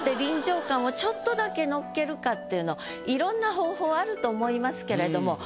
ちょっとだけ乗っけるかっていうのいろんな方法あると思いますけれども。